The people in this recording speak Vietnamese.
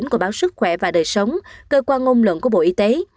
của báo sức khỏe và đời sống cơ quan ngôn luận của bộ y tế